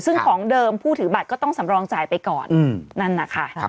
ซึ่งของเดิมผู้ถือบัตรก็ต้องสำรองจ่ายไปก่อนนั่นนะคะ